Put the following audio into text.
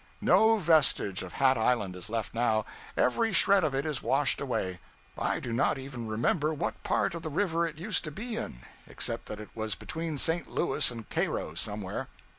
No vestige of Hat Island is left now; every shred of it is washed away. I do not even remember what part of the river it used to be in, except that it was between St. Louis and Cairo somewhere.